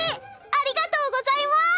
ありがとうございます。